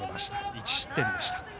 １失点でした。